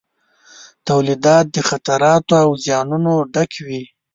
تولیدات د خطراتو او زیانونو ډک وي.